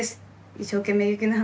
一生懸命「雪の華」